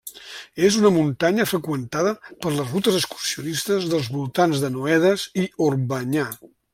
És una muntanya freqüentada per les rutes excursionistes dels voltants de Noedes i Orbanyà.